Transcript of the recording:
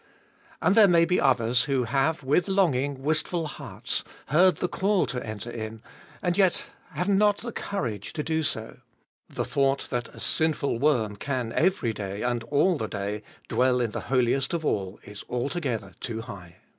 And there may be others, who have with longing, wistful hearts, heard the call to enter in, and yet have not the courage to do so. The thought that a sinful worm can every day and 1 Holiest 358 Gbe Ibolfest of BH all the day dwell in the Holiest of All is altogether too high.